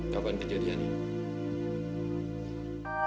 kapan kejadian ini